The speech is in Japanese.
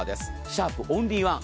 シャープオンリーワン。